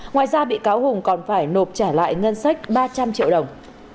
ngoài ra bị cáo hùng còn phải nộp trả lại ngân sách ba trăm linh triệu đồng